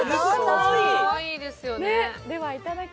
かわいいですよね。